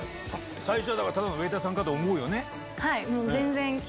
最初はただのウエイターさんかと思うよね。